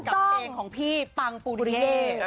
กับเพลงของพี่ปังปุริเย่